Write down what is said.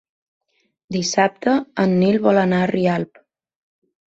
Dissabte en Nil vol anar a Rialp.